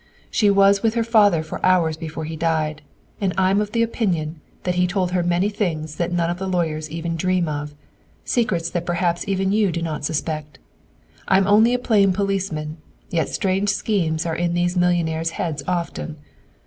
"She was with her father for hours before he died, and I'm of the opinion that he told her many things that none of the lawyers even dream of, secrets that perhaps even you do not suspect! I'm only a plain policeman, yet strange schemes are in these millionaires' heads often.